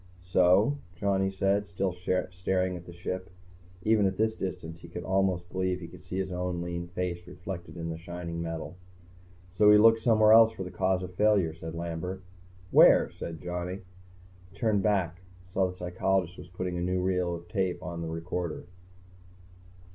"So?" Johnny said, still staring at the Ship. Even at this distance, he could almost believe he could see his own lean face reflected in the shining metal. "So we look somewhere else for the cause of failure," said Lambert. "Where?" said Johnny. He turned back, saw that the psychologist was putting a new reel on the tape recorder.